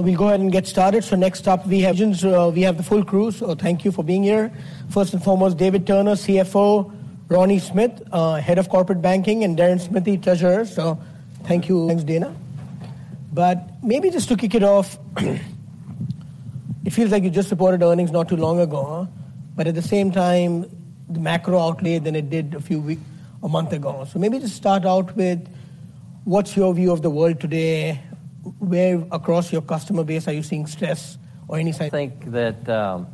We'll go ahead and get started. So next up we have Regions, we have the full crew, so thank you for being here. First and foremost, David Turner, CFO; Ronnie Smith, head of corporate banking; and Deron Smithy, treasurer. So thank you, thanks, Dana. But maybe just to kick it off, it feels like you just reported earnings not too long ago, but at the same time, the macro outlook than it did a few weeks a month ago. So maybe just start out with what's your view of the world today, where across your customer base are you seeing stress or any sign? I think that,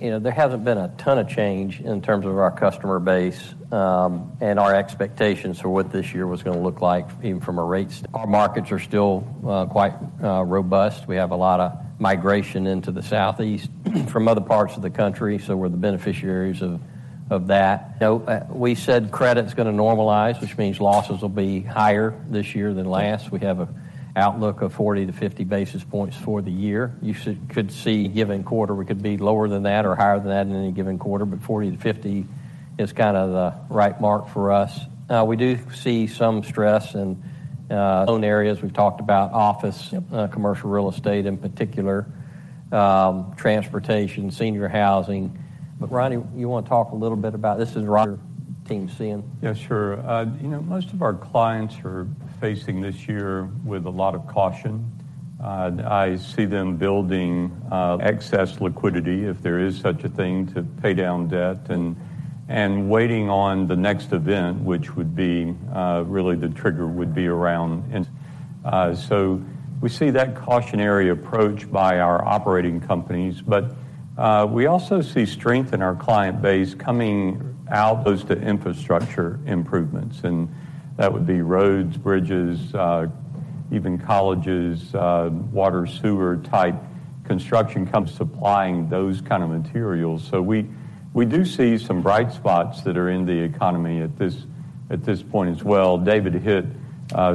you know, there hasn't been a ton of change in terms of our customer base, and our expectations for what this year was gonna look like, even from a rate. Our markets are still quite robust. We have a lot of migration into the Southeast from other parts of the country, so we're the beneficiaries of that. You know, we said credit's gonna normalize, which means losses will be higher this year than last. We have an outlook of 40-50 basis points for the year. You could see, given quarter, we could be lower than that or higher than that in any given quarter, but 40-50 is kinda the right mark for us. We do see some stress in loan areas. We've talked about office. Yep. Commercial real estate in particular, transportation, senior housing. But Ronnie, you wanna talk a little bit about this? Is your team seeing? Yeah, sure. You know, most of our clients are facing this year with a lot of caution. I see them building excess liquidity, if there is such a thing, to pay down debt and, and waiting on the next event, which would be, really the trigger would be around in. So we see that cautionary approach by our operating companies. But we also see strength in our client base coming out. Goes to infrastructure improvements, and that would be roads, bridges, even colleges, water, sewer-type construction companies supplying those kinda materials. So we, we do see some bright spots that are in the economy at this, at this point as well. David hit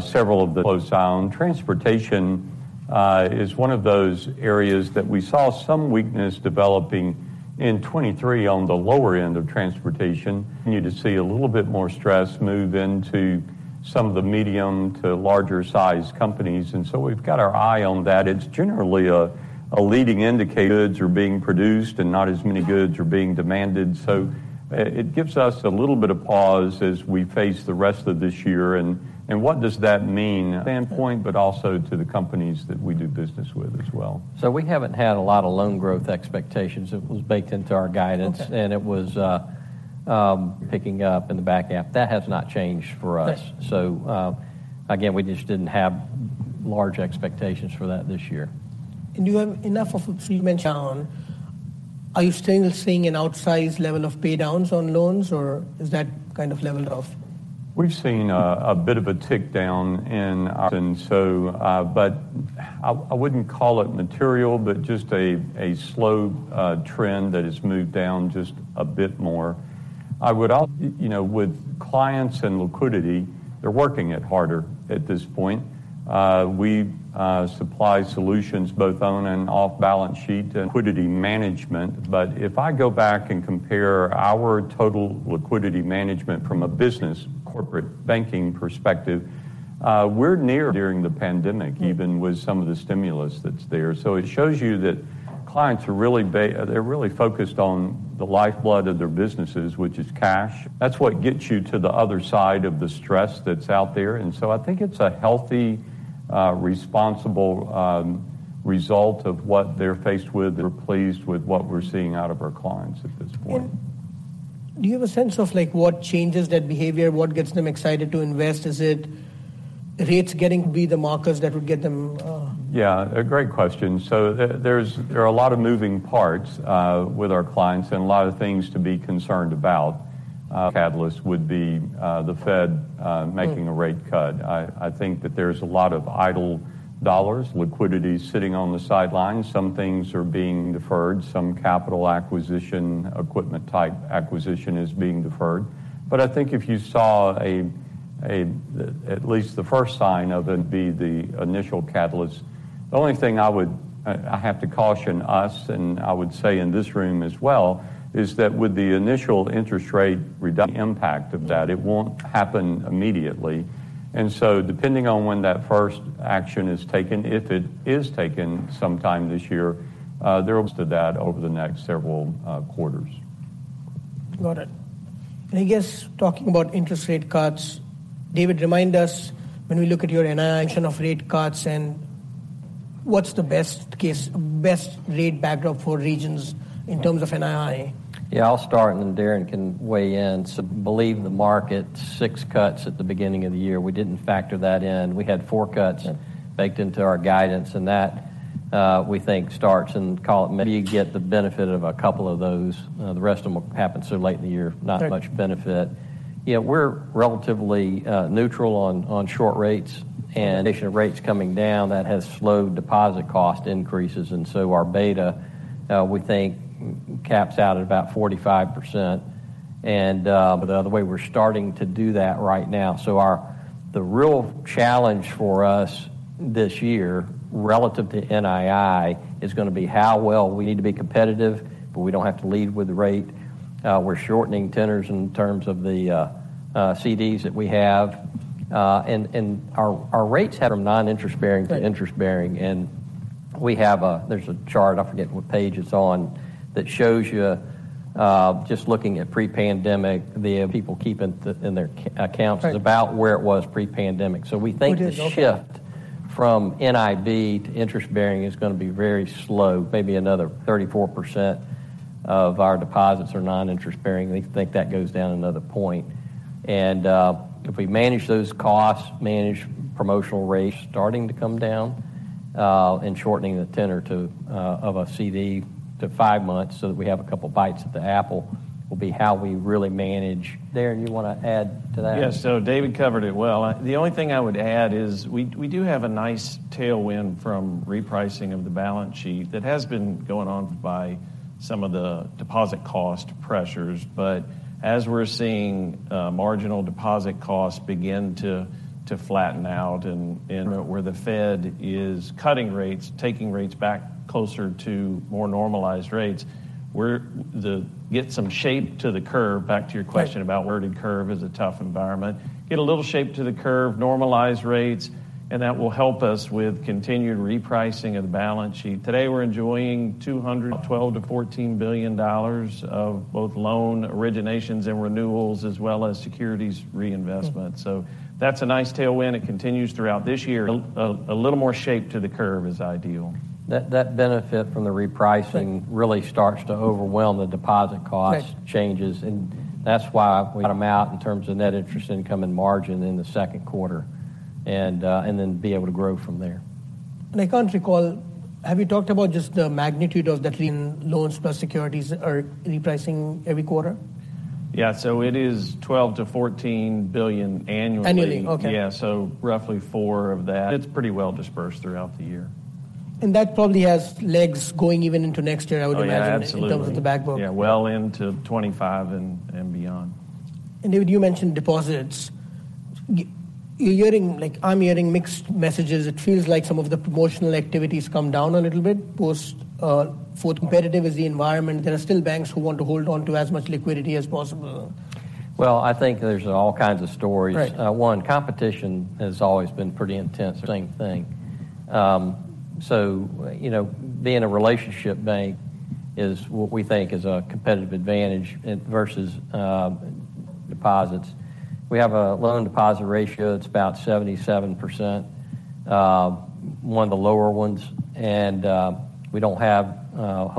several of the close down. Transportation is one of those areas that we saw some weakness developing in 2023 on the lower end of transportation. We to see a little bit more stress move into some of the medium to larger-sized companies. And so we've got our eye on that. It's generally a leading indicator. Goods are being produced and not as many goods are being demanded. So, it gives us a little bit of pause as we face the rest of this year. And what does that mean standpoint, but also to the companies that we do business with as well. We haven't had a lot of loan growth expectations. It was baked into our guidance. Okay. It was picking up in the back half. That has not changed for us. Yes. Again, we just didn't have large expectations for that this year. Do you have enough free? Now, are you still seeing an outsized level of paydowns on loans, or is that kind of leveled off? We've seen a bit of a tick down in. But I wouldn't call it material, but just a slow trend that has moved down just a bit more. I would also, you know, with clients and liquidity, they're working it harder at this point. We supply solutions both on and off balance sheet. Liquidity management. But if I go back and compare our total liquidity management from a business corporate banking perspective, we're near. During the pandemic, even with some of the stimulus that's there. So it shows you that clients are really focused on the lifeblood of their businesses, which is cash. That's what gets you to the other side of the stress that's out there. And so I think it's a healthy, responsible result of what they're faced with. We're pleased with what we're seeing out of our clients at this point. Do you have a sense of, like, what changes that behavior? What gets them excited to invest? Is it rates getting to be the markers that would get them, Yeah, a great question. So there are a lot of moving parts with our clients and a lot of things to be concerned about. Catalyst would be the Fed making a rate cut. I think that there's a lot of idle dollars, liquidity sitting on the sidelines. Some things are being deferred. Some capital acquisition, equipment-type acquisition, is being deferred. But I think if you saw at least the first sign of it be the initial catalyst. The only thing I would have to caution us, and I would say in this room as well, is that with the initial interest rate reduction. Impact of that. It won't happen immediately. And so depending on when that first action is taken, if it is taken sometime this year, there to that over the next several quarters. Got it. And I guess talking about interest rate cuts, David, remind us when we look at your NII action of rate cuts and what's the best case best rate backdrop for Regions in terms of NII? Yeah, I'll start, and then Deron can weigh in. We believe the market 6 cuts at the beginning of the year. We didn't factor that in. We had 4 cuts. Yep. Baked into our guidance. And that, we think starts and call it. You get the benefit of a couple of those. The rest of them will happen so late in the year. Right. Not much benefit. Yeah, we're relatively neutral on short rates. And of rates coming down, that has slowed deposit cost increases. And so our beta, we think, caps out at about 45%. But the other way we're starting to do that right now. So the real challenge for us this year relative to NII is gonna be how well we need to be competitive, but we don't have to lead with the rate. We're shortening tenors in terms of the CDs that we have and our rates from non-interest bearing to interest bearing. Right. We have – there's a chart – I forget what page it's on – that shows you, just looking at pre-pandemic, the people keeping in their checking accounts. Right. Is about where it was pre-pandemic. So we think the shift. What is the shift? From NIB to interest bearing is gonna be very slow. Maybe another 34% of our deposits are non-interest bearing. We think that goes down another point. If we manage those costs, manage promotional rates starting to come down, and shortening the tenor of a CD to five months so that we have a couple bites at the apple will be how we really manage. Deron, you wanna add to that? Yeah, so David covered it well. The only thing I would add is we do have a nice tailwind from repricing of the balance sheet. That has been going on by some of the deposit cost pressures. But as we're seeing, marginal deposit costs begin to flatten out and. Where the Fed is cutting rates, taking rates back closer to more normalized rates, we'll get some shape to the curve. Back to your question about. Yep. We're in a tough environment. Get a little shape to the curve, normalize rates, and that will help us with continued repricing of the balance sheet. Today, we're enjoying $12 billion-$14 billion of both loan originations and renewals as well as securities reinvestment. So that's a nice tailwind. It continues throughout this year. A little more shape to the curve is ideal. That benefit from the repricing. Right. Really starts to overwhelm the deposit cost. Right. Changes, and that's why we cut them out in terms of net interest income and margin in the second quarter and, and then be able to grow from there. Across the country, have you talked about just the magnitude of that in loans plus securities are repricing every quarter? Yeah, so it is $12 billion-$14 billion annually. Annually, okay. Yeah, so roughly four of that. It's pretty well dispersed throughout the year. And that probably has legs going even into next year, I would imagine. Yeah, absolutely. In terms of the backbone. Yeah, well into 2025 and beyond. And David, you mentioned deposits. You're hearing like, I'm hearing mixed messages. It feels like some of the promotional activities come down a little bit post fourth. Competitive is the environment. There are still banks who want to hold onto as much liquidity as possible. Well, I think there's all kinds of stories. Right. One, competition has always been pretty intense. Same thing. So, you know, being a relationship bank is what we think is a competitive advantage in versus deposits. We have a loan-to-deposit ratio that's about 77%, one of the lower ones. And we don't have a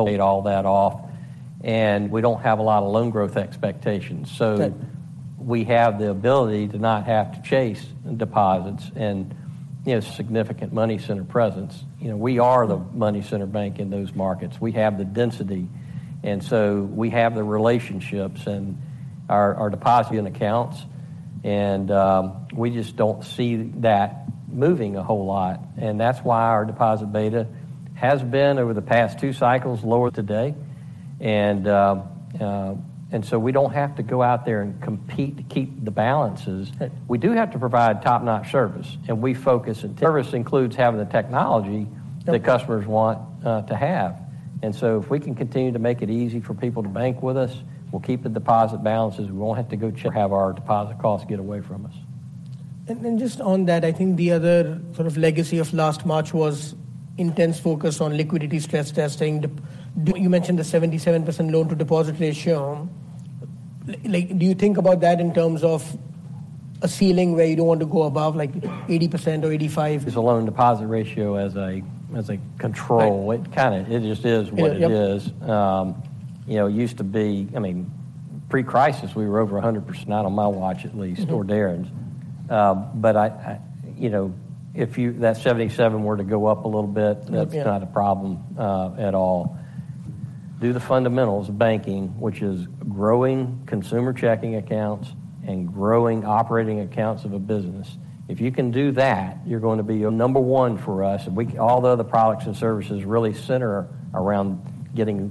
lot of loan growth expectations. So. Okay. We have the ability to not have to chase deposits and, you know, significant money center presence. You know, we are the money center bank in those markets. We have the density. And so we have the relationships and our, our deposit in accounts. And, we just don't see that moving a whole lot. And that's why our deposit beta has been over the past two cycles lower today. And, and so we don't have to go out there and compete to keep the balances. Right. We do have to provide top-notch service, and we focus in. Service includes having the technology. Yep. That customers want to have. So if we can continue to make it easy for people to bank with us, we'll keep the deposit balances. We won't have to go check. Have our deposit costs get away from us. And just on that, I think the other sort of legacy of last March was intense focus on liquidity stress testing. You mentioned the 77% loan-to-deposit ratio. Like, do you think about that in terms of a ceiling where you don't want to go above, like, 80% or 85%? A loan-to-deposit ratio as a control. Yep. It kinda just is what it is. Yep. You know, it used to be, I mean, pre-crisis, we were over 100%. Not on my watch at least or Deron's. Mm-hmm. but you know, if you that 77 were to go up a little bit. Yeah. That's not a problem, at all. Do the fundamentals of banking, which is growing consumer checking accounts and growing operating accounts of a business. If you can do that, you're gonna be number one for us. And we call all the other products and services really center around getting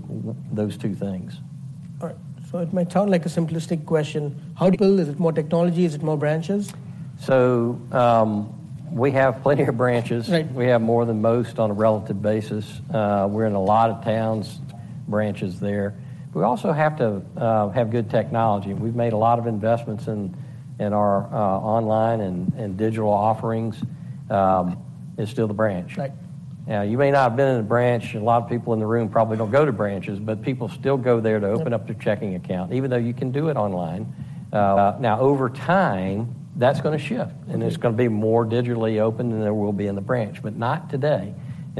those two things. All right. So it may sound like a simplistic question. How do you build? Is it more technology? Is it more branches? We have plenty of branches. Right. We have more than most on a relative basis. We're in a lot of towns. Branches there. We also have to have good technology. We've made a lot of investments in our online and digital offerings. It's still the branch. Right. Now, you may not have been in a branch. A lot of people in the room probably don't go to branches, but people still go there to open up their checking account even though you can do it online. Now, over time, that's gonna shift. Right. It's gonna be more digitally open than there will be in the branch, but not today.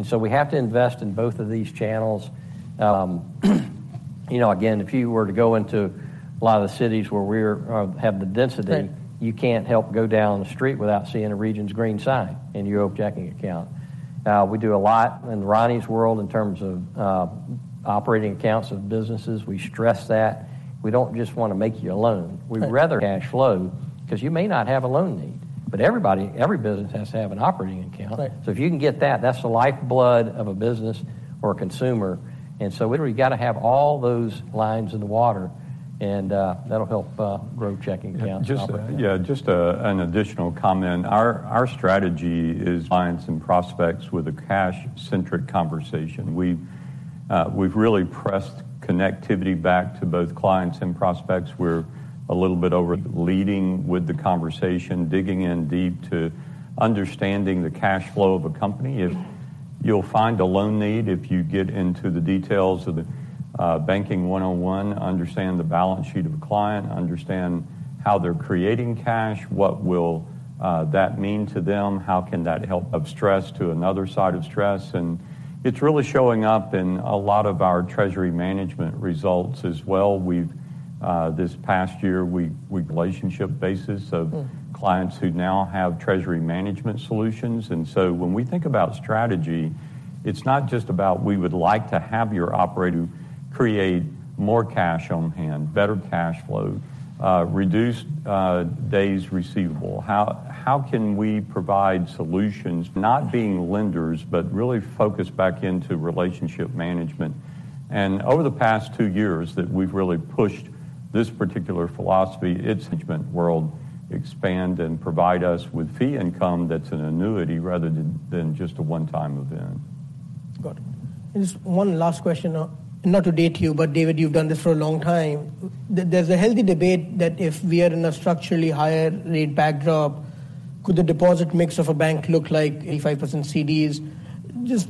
So we have to invest in both of these channels. You know, again, if you were to go into a lot of the cities where we have the density. Right. You can't help go down the street without seeing a Regions' green sign in your own checking account. We do a lot in Ronnie's world in terms of, operating accounts of businesses. We stress that. We don't just wanna make you a loan. Right. We'd rather cash flow 'cause you may not have a loan need. But everybody, every business has to have an operating account. Right. So if you can get that, that's the lifeblood of a business or a consumer. And so we've gotta have all those lines in the water. And that'll help grow checking accounts. Just yeah, just an additional comment. Our strategy is clients and prospects with a cash-centric conversation. We've really pressed connectivity back to both clients and prospects. We're a little bit over leading with the conversation, digging in deep to understanding the cash flow of a company. If. Mm-hmm. You'll find a loan need if you get into the details of the banking one-on-one, understand the balance sheet of a client, understand how they're creating cash, what will that mean to them, how can that help. Of stress to another side of stress. And it's really showing up in a lot of our treasury management results as well. We've this past year. Relationship basis of. Mm-hmm. Clients who now have treasury management solutions. And so when we think about strategy, it's not just about, "We would like to have your operator." To create more cash on hand, better cash flow, reduced days receivable. How can we provide solutions. Not being lenders but really focus back into relationship management. And over the past two years that we've really pushed this particular philosophy, it's management world expand and provide us with fee income that's an annuity rather than just a one-time event. Got it. And just one last question, not to date you, but David, you've done this for a long time. There's a healthy debate that if we are in a structurally higher rate backdrop, could the deposit mix of a bank look like 85% CDs. Just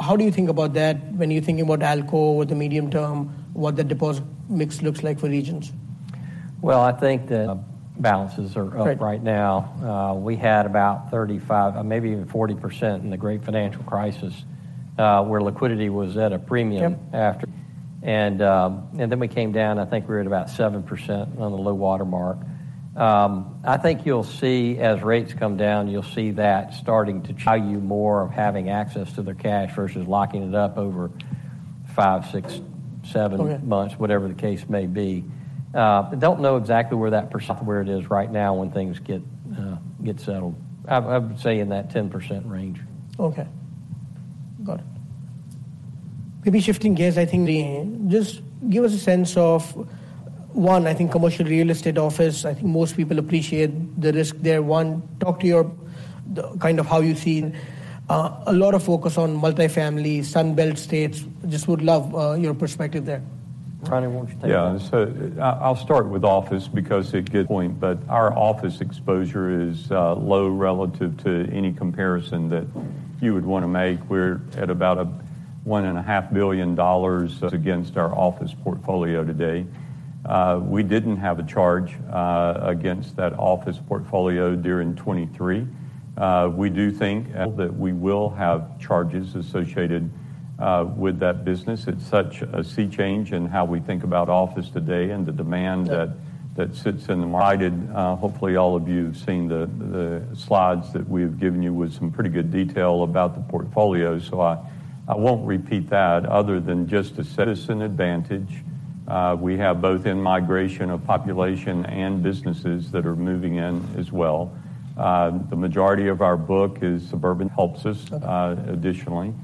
how do you think about that when you're thinking about ALCO with the medium term, what the deposit mix looks like for Regions? Well, I think that balances are, Right. Right now, we had about 35% or maybe 40% in the Great Financial Crisis, where liquidity was at a premium. Yep. After and then we came down. I think we were at about 7% on the low watermark. I think you'll see as rates come down, you'll see that starting to value more of having access to their cash versus locking it up over five, six, seven. Okay. Months, whatever the case may be. Don't know exactly where that per where it is right now when things get settled. I've been saying that 10% range. Okay. Got it. Maybe shifting gears, I think. Then just give us a sense of, one, I think, commercial real estate office. I think most people appreciate the risk there. One, talk to you the kind of how you see. A lot of focus on multifamily, Sunbelt States. Just would love your perspective there. Ronnie, won't you take that? Yeah. So I'll start with office because it point. But our office exposure is low relative to any comparison that you would wanna make. We're at about a $1.5 billion against our office portfolio today. We didn't have a charge against that office portfolio during 2023. We do think that we will have charges associated with that business. It's such a sea change in how we think about office today and the demand that that sits in the city. Hopefully, all of you have seen the slides that we have given you with some pretty good detail about the portfolio. So I won't repeat that other than just to this an advantage. We have both in-migration of population and businesses that are moving in as well. The majority of our book is suburban. Helps us. Okay. Additionally,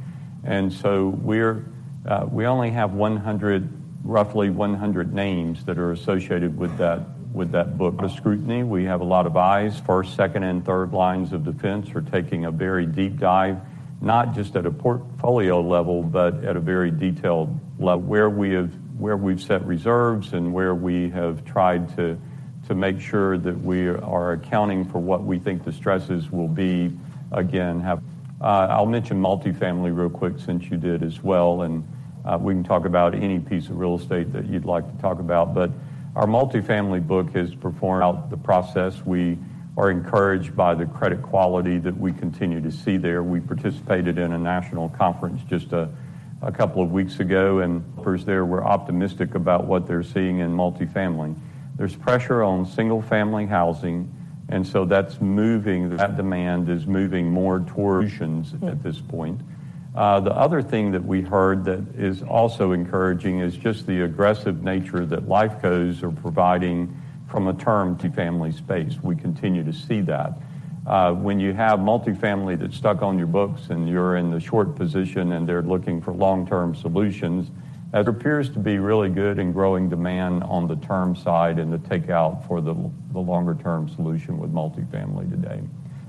we're only have roughly 100 names that are associated with that book of scrutiny. We have a lot of eyes. First, second, and third lines of defense are taking a very deep dive, not just at a portfolio level but at a very detailed level. Where we've set reserves and where we have tried to make sure that we are accounting for what we think the stresses will be. I'll mention multifamily real quick since you did as well. We can talk about any piece of real estate that you'd like to talk about. But our multifamily book has performed. The process. We are encouraged by the credit quality that we continue to see there. We participated in a national conference just a couple of weeks ago. They were optimistic about what they're seeing in multifamily. There's pressure on single-family housing. And so that's moving that demand is moving more toward solutions at this point. The other thing that we heard that is also encouraging is just the aggressive nature that LifeCos are providing from a term family space. We continue to see that. When you have multifamily that's stuck on your books, and you're in the short position, and they're looking for long-term solutions, that appears to be really good in growing demand on the term side and the takeout for the longer-term solution with multifamily today.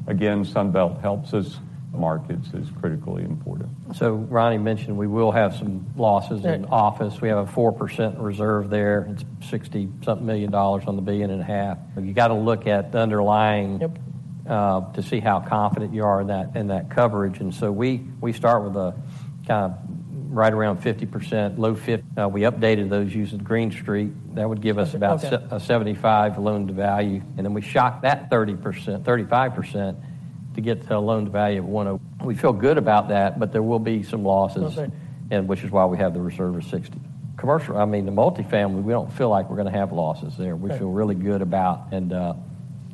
Again, Sunbelt helps us. Markets is critically important. Ronnie mentioned we will have some losses in office. Right. We have a 4% reserve there. It's $60-something million on the $1.5 billion. You gotta look at the underlying. Yep. to see how confident you are in that coverage. And so we start with a kind of right around 50%, low 50. We updated those using Green Street. That would give us about. Okay. Say a 75 loan-to-value. And then we shocked that 30%-35% to get to a loan-to-value of. We feel good about that, but there will be some losses. Okay. Which is why we have the reserve of 60. Commercial, I mean, the multifamily, we don't feel like we're gonna have losses there. Right. We feel really good about.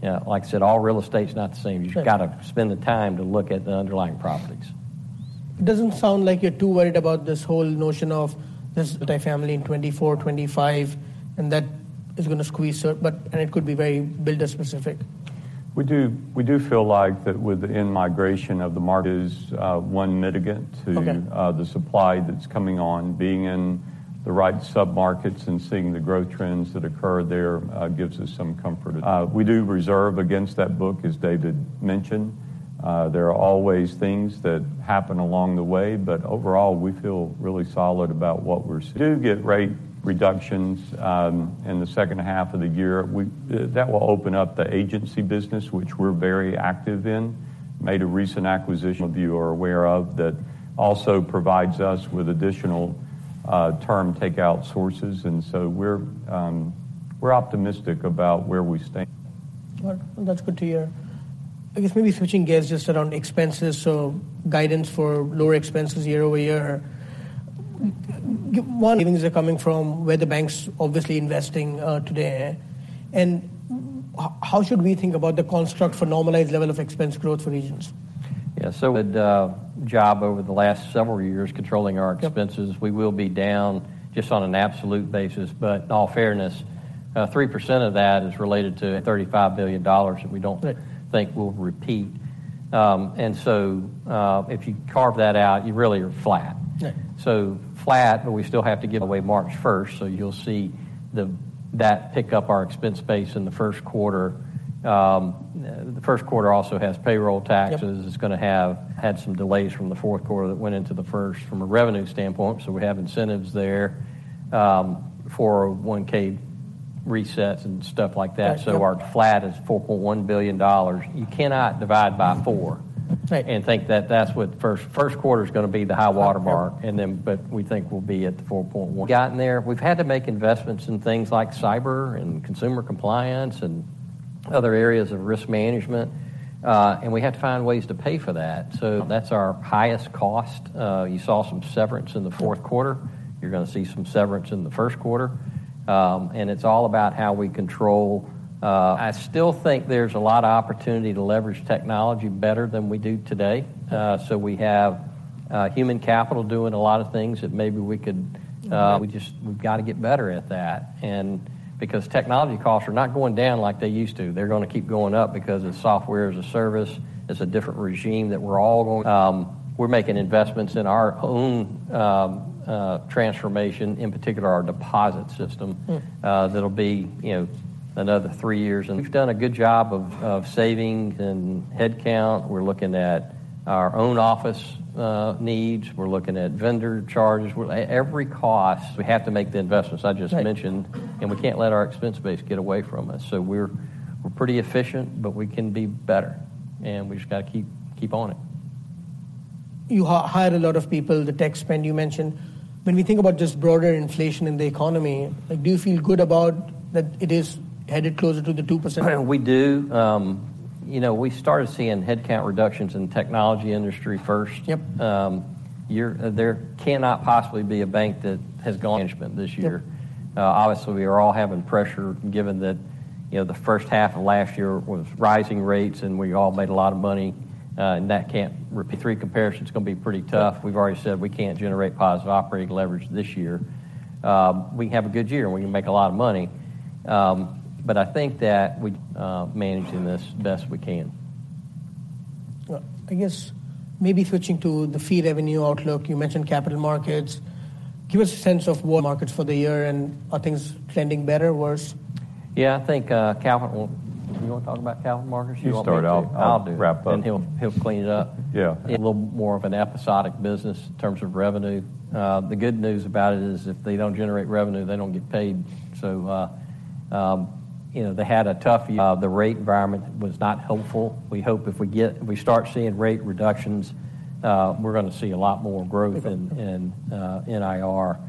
Yeah, like I said, all real estate's not the same. Right. You've gotta spend the time to look at the underlying properties. It doesn't sound like you're too worried about this whole notion of this. Multifamily in 2024, 2025, and that is gonna squeeze CRE but and it could be very builder-specific. We do feel like that with the in-migration of the market. Yes, one mitigant to. Okay. The supply that's coming on, being in the right submarkets and seeing the growth trends that occur there, gives us some comfort. We do reserve against that book, as David mentioned. There are always things that happen along the way. But overall, we feel really solid about what we're. Do get rate reductions, in the second half of the year. We that will open up the agency business, which we're very active in. Made a recent acquisition. Of you are aware of that also provides us with additional, term takeout sources. And so we're, we're optimistic about where we stand. All right. That's good to hear. I guess maybe switching gears just around expenses. So guidance for lower expenses year over year. Q1 earnings are coming from where the bank's obviously investing, today. And how should we think about the construct for normalized level of expense growth for Regions? Yeah. So did a job over the last several years controlling our expenses. Right. We will be down just on an absolute basis. But in all fairness, 3% of that is related to $35 billion that we don't. Right. Think will repeat. And so, if you carve that out, you really are flat. Right. So flat, but we still have to give away March 1st. So you'll see that pick up our expense base in the first quarter. The first quarter also has payroll taxes. Yep. It's gonna have had some delays from the fourth quarter that went into the first from a revenue standpoint. So we have incentives there, for 1,000 resets and stuff like that. Right. Our flat is $4.1 billion. You cannot divide by four. Right. think that that's what first quarter's gonna be the high watermark. Right. But we think we'll be at the 4.1. Gotten there. We've had to make investments in things like cyber and consumer compliance and other areas of risk management, and we have to find ways to pay for that. That's our highest cost. You saw some severance in the fourth quarter. You're gonna see some severance in the first quarter, and it's all about how we control. I still think there's a lot of opportunity to leverage technology better than we do today, so we have human capital doing a lot of things that maybe we could. We just, we've gotta get better at that. And because technology costs are not going down like they used to, they're gonna keep going up because of software as a service. It's a different regime that we're all going. We're making investments in our own transformation, in particular, our deposit system. Mm-hmm. that'll be, you know, another three years. And we've done a good job of savings and headcount. We're looking at our own office needs. We're looking at vendor charges. We're at every cost. We have to make the investments. Right. I just mentioned. We can't let our expense base get away from us. We're, we're pretty efficient, but we can be better. We just gotta keep, keep on it. You hired a lot of people. The tech spend you mentioned. When we think about just broader inflation in the economy, like, do you feel good about that it is headed closer to the 2%? We do. You know, we started seeing headcount reductions in the technology industry first. Yep. You're there, cannot possibly be a bank that has gone management this year. Yep. Obviously, we are all having pressure given that, you know, the first half of last year was rising rates, and we all made a lot of money. That can't repeat. The comparisons gonna be pretty tough. We've already said we can't generate positive operating leverage this year. We have a good year, and we can make a lot of money. But I think that we're managing this the best we can. Well, I guess maybe switching to the fee revenue outlook. You mentioned capital markets. Give us a sense of markets for the year, and are things trending better, worse? Yeah. I think capital you wanna talk about capital markets? You want to talk to. You start out. I'll do. Wrap up. He'll, he'll clean it up. Yeah. A little more of an episodic business in terms of revenue. The good news about it is if they don't generate revenue, they don't get paid. So, you know, they had a tough. The rate environment was not helpful. We hope if we get if we start seeing rate reductions, we're gonna see a lot more growth in, in, NIR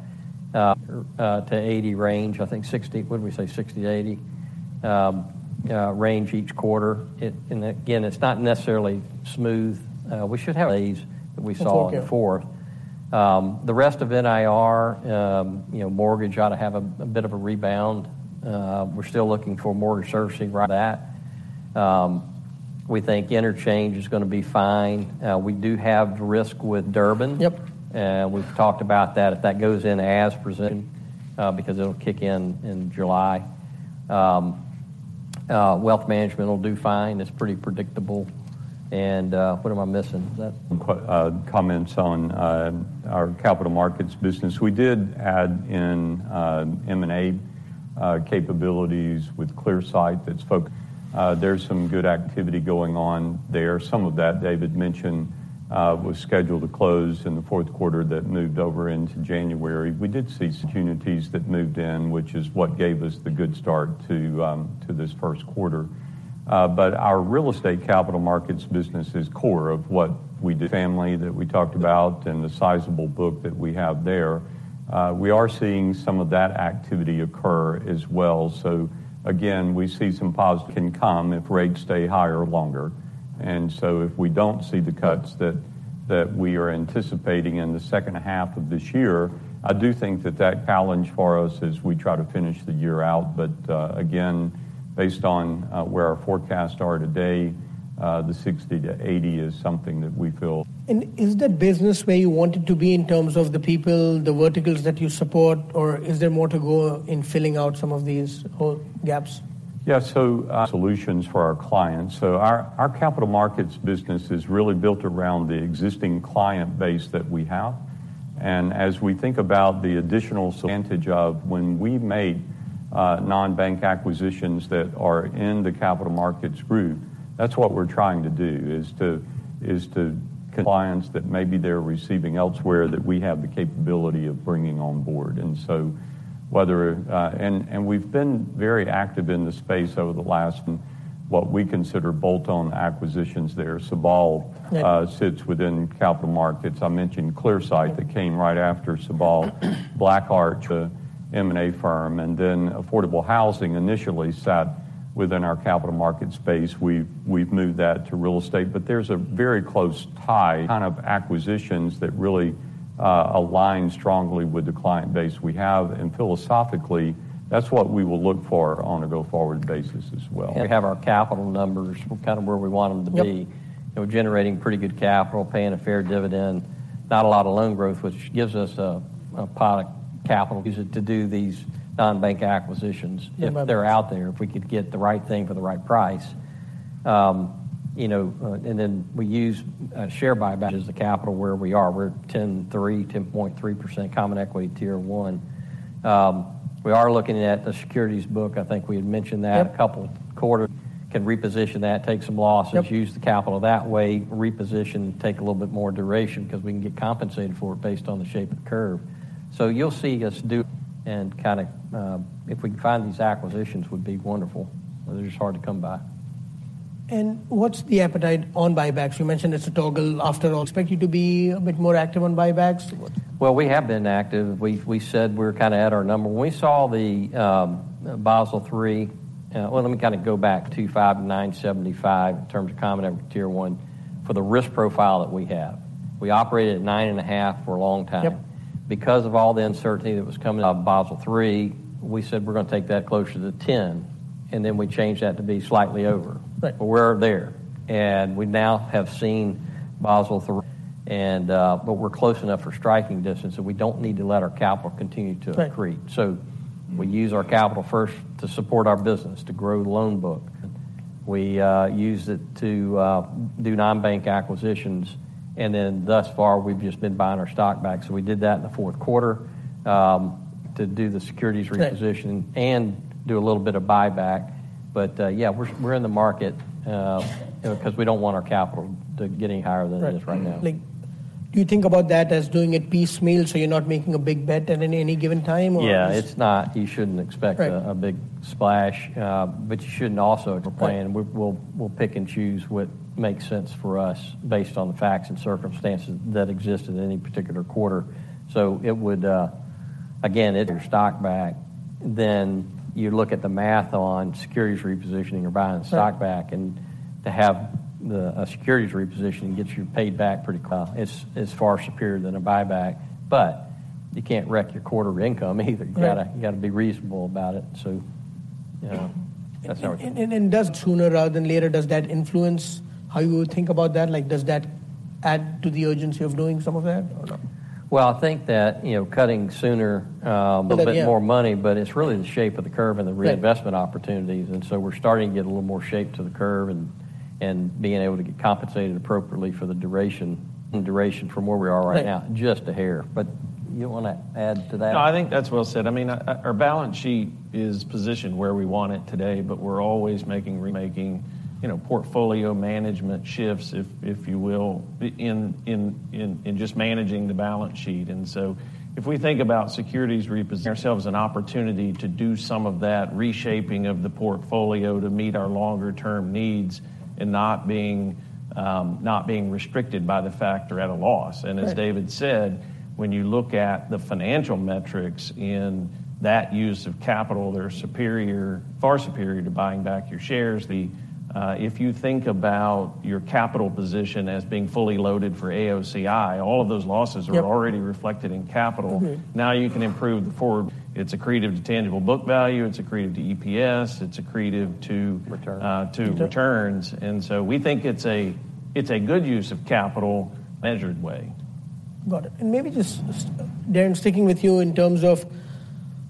to 80 range. I think 60 what did we say? 60-80 range each quarter. I-and again, it's not necessarily smooth. We should have. Days that we saw on the fourth. Okay. The rest of NIR, you know, mortgage ought to have a, a bit of a rebound. We're still looking for mortgage servicing. We think interchange is gonna be fine. We do have risk with Durbin. Yep. We've talked about that. If that goes in as presented, because it'll kick in in July. Wealth management will do fine. It's pretty predictable. What am I missing? Is that. Quick comments on our capital markets business. We did add in M&A capabilities with Clearsight that's focused. There's some good activity going on there. Some of that David mentioned was scheduled to close in the fourth quarter that moved over into January. We did see opportunities that moved in, which is what gave us the good start to this first quarter. But our real estate capital markets business is core of what we do. Multifamily that we talked about and the sizable book that we have there, we are seeing some of that activity occur as well. So again, we see some positive can come if rates stay higher longer. And so if we don't see the cuts that we are anticipating in the second half of this year, I do think that that challenge for us as we try to finish the year out. But, again, based on where our forecasts are today, the 60-80 is something that we feel. Is that business where you want it to be in terms of the people, the verticals that you support, or is there more to go in filling out some of these whole gaps? Yeah. So, solutions for our clients. So our capital markets business is really built around the existing client base that we have. And as we think about the additional advantage of when we make non-bank acquisitions that are in the capital markets group, that's what we're trying to do is to clients that maybe they're receiving elsewhere that we have the capability of bringing on board. And so, and we've been very active in the space over the last. And what we consider bolt-on acquisitions there. Sabal sits within capital markets. I mentioned Clearsight. That came right after Sabal. BlackArch. The M&A firm. And then affordable housing initially sat within our capital markets space. We've moved that to real estate. But there's a very close tie. Kind of acquisitions that really align strongly with the client base we have. Philosophically, that's what we will look for on a go-forward basis as well. We have our capital numbers kind of where we want them to be. Yep. You know, generating pretty good capital, paying a fair dividend, not a lot of loan growth, which gives us a pot of capital. Use it to do these non-bank acquisitions. Yeah. If they're out there, if we could get the right thing for the right price, you know, and then we use share buy. Is the capital where we are. We're 10.3, 10.3% Common Equity Tier 1. We are looking at the securities book. I think we had mentioned that. Yep. A couple quarters. We can reposition that, take some losses. Yep. Use the capital that way, reposition, take a little bit more duration 'cause we can get compensated for it based on the shape of the curve. So you'll see us do. And kind of, if we can find these acquisitions, would be wonderful. They're just hard to come by. What's the appetite on buybacks? You mentioned it's a toggle. After all, expect you to be a bit more active on buybacks? Well, we have been active. We, we said we're kind of at our number. When we saw the Basel III, well, let me kind of go back. 25.975 in terms of Common Equity Tier 1 for the risk profile that we have. We operated at 9.5 for a long time. Yep. Because of all the uncertainty that was coming, Basel III, we said we're gonna take that closer to 10. Then we changed that to be slightly over. Right. But we're there. We now have seen Basel. But we're close enough for striking distance, and we don't need to let our capital continue to accrete. Right. So we use our capital first to support our business, to grow the loan book. We use it to do non-bank acquisitions. And then thus far, we've just been buying our stock back. So we did that in the fourth quarter to do the securities repositioning. Right. Do a little bit of buyback. But, yeah, we're in the market, you know, 'cause we don't want our capital to get any higher than it is right now. Right. Like, do you think about that as doing it piecemeal so you're not making a big bet at any given time, or? Yeah. It's not. You shouldn't expect a big splash. But you shouldn't also. We're playing. Right. We'll pick and choose what makes sense for us based on the facts and circumstances that exist in any particular quarter. So it would again buy your stock back, then you look at the math on securities repositioning or buying stock back. Right. To have a securities repositioning gets you paid back pretty. It's far superior than a buyback. But you can't wreck your quarterly income either. Right. You gotta, you gotta be reasonable about it. So, you know, that's how we think. Does sooner rather than later, does that influence how you think about that? Like, does that add to the urgency of doing some of that or not? Well, I think that, you know, cutting sooner, a bit more money. A little bit. But it's really the shape of the curve and the reinvestment opportunities. And so we're starting to get a little more shape to the curve and being able to get compensated appropriately for the duration. Duration from where we are right now. Yeah. Just a hair. But you wanna add to that? No, I think that's well said. I mean, our balance sheet is positioned where we want it today, but we're always making, you know, portfolio management shifts, if you will, in just managing the balance sheet. And so if we think about securities ourselves an opportunity to do some of that reshaping of the portfolio to meet our longer-term needs and not being restricted by the fact we're at a loss. Right. As David said, when you look at the financial metrics in that use of capital, they're superior, far superior to buying back your shares. If you think about your capital position as being fully loaded for AOCI, all of those losses are already reflected in capital. Mm-hmm. Now you can improve the forward. It's accretive to tangible book value. It's accretive to EPS. It's accretive to. Returns. to returns. And so we think it's a good use of capital. Measured way. Got it. And maybe just, Deron, sticking with you in terms of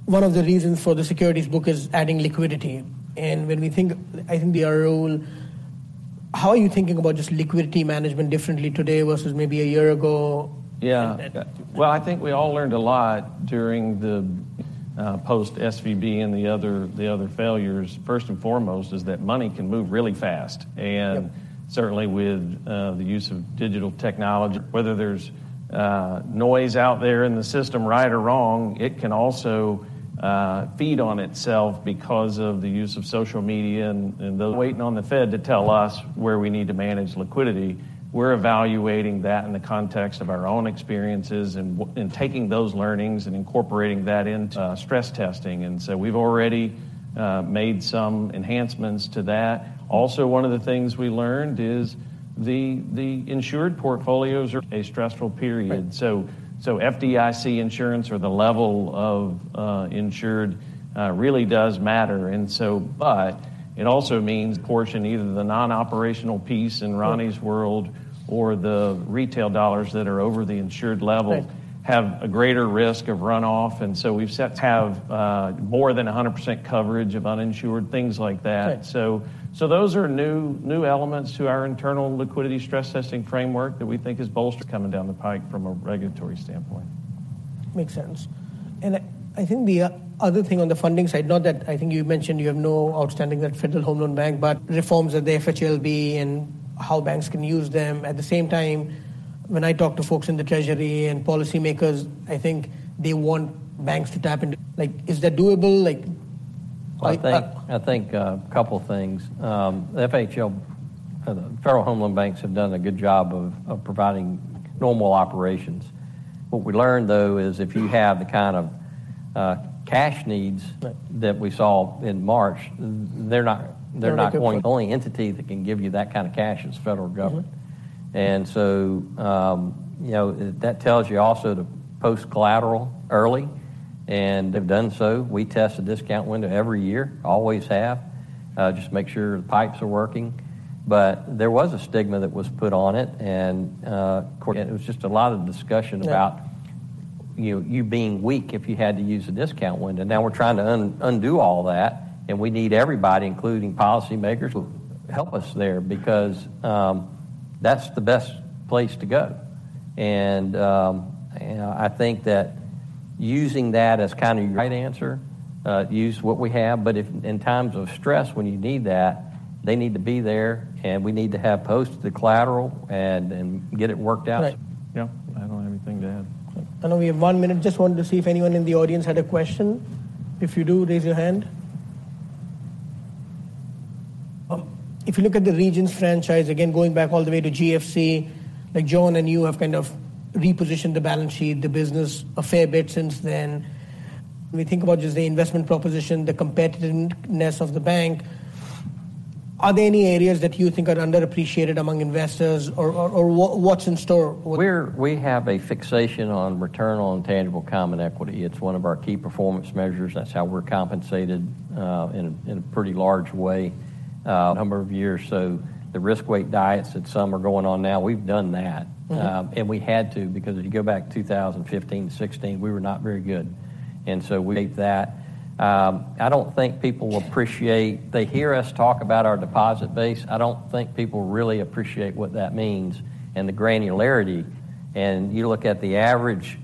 one of the reasons for the securities book is adding liquidity. And when we think, I think, the ROL, how are you thinking about just liquidity management differently today versus maybe a year ago? Yeah. Well, I think we all learned a lot during the post-SVB and the other failures, first and foremost, is that money can move really fast. And. Yep. Certainly with the use of digital technology. Whether there's noise out there in the system right or wrong, it can also feed on itself because of the use of social media and those. Waiting on the Fed to tell us where we need to manage liquidity. We're evaluating that in the context of our own experiences and taking those learnings and incorporating that into stress testing. And so we've already made some enhancements to that. Also, one of the things we learned is the insured portfolios in a stressful period. So FDIC insurance or the level of insured really does matter. And so but it also means portion, either the non-operational piece in Ronnie's world or the retail dollars that are over the insured level. Right. Have a greater risk of runoff. So we've set more than 100% coverage of uninsured things like that. Right. So those are new elements to our internal liquidity stress testing framework that we think is bolstered. Coming down the pike from a regulatory standpoint. Makes sense. And I think the other thing on the funding side, not that I think you mentioned you have no outstanding that Federal Home Loan Bank. Reforms at the FHLB and how banks can use them. At the same time, when I talk to folks in the Treasury and policymakers, I think they want banks to tap into. Like, is that doable? Like, I think a couple things. The FHL, the Federal Home Loan Banks, have done a good job of providing normal operations. What we learned, though, is if you have the kind of cash needs. Right. That we saw in March, they're not, they're not going. Only entity that can give you that kind of cash is the federal government. And so, you know, that tells you also to post collateral early. And they've done so. We test a discount window every year. Always have. Just make sure the pipes are working. But there was a stigma that was put on it. And, of course, it was just a lot of discussion about. Yeah. You being weak if you had to use a discount window. Now we're trying to undo all that. We need everybody, including policymakers, to help us there because that's the best place to go. And, you know, I think that using that as kind of right answer. Use what we have. But if in times of stress, when you need that, they need to be there. And we need to have post the collateral and get it worked out. Yeah. I don't have anything to add. I know we have one minute. Just wanted to see if anyone in the audience had a question. If you do, raise your hand. If you look at the Regions franchise, again, going back all the way to GFC, like, John and you have kind of repositioned the balance sheet, the business a fair bit since then. When we think about just the investment proposition, the competitiveness of the bank, are there any areas that you think are underappreciated among investors or, or, or what, what's in store? We have a fixation on return on tangible common equity. It's one of our key performance measures. That's how we're compensated in a pretty large way. Number of years. So the risk-weighted assets that some are going on now, we've done that. Mm-hmm. We had to because if you go back to 2015, 2016, we were not very good. That, I don't think people appreciate. They hear us talk about our deposit base. I don't think people really appreciate what that means and the granularity. And you look at the average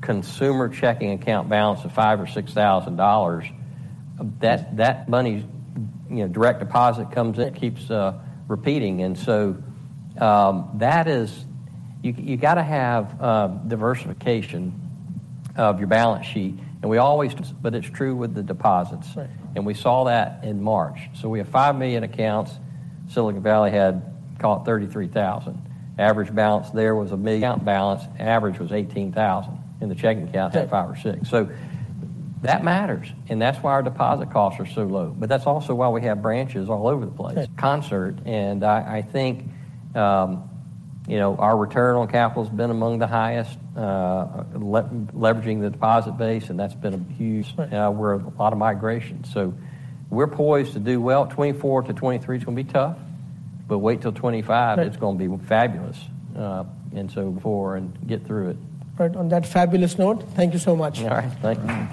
consumer checking account balance of $5,000 or $6,000, that money's, you know, direct deposit comes in. Keeps repeating. And so, that is, you gotta have diversification of your balance sheet. But it's true with the deposits. Right. We saw that in March. We have 5 million accounts. Silicon Valley had, call it, 33,000. Average balance there was. Account balance, average was $18,000 in the checking accounts. Right. At five or six. So that matters. And that's why our deposit costs are so low. But that's also why we have branches all over the place. Contrast. And I think, you know, our return on capital's been among the highest, leveraging the deposit base. And that's been a huge. Right. where a lot of migration. So we're poised to do well. 2024-2023 is gonna be tough. But wait till 2025. Right. It's gonna be fabulous. And so before and get through it. Right. On that fabulous note, thank you so much. All right. Thank you.